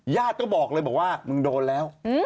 ญาติก็บอกเลยบอกว่ามึงโดนแล้ว